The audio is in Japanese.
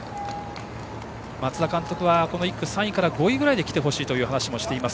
松田監督は、１区は３位から５位くらいできてほしいという話もしています。